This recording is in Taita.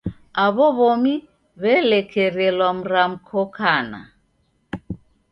Aw'o w'omi w'elekerelwa mramko kana.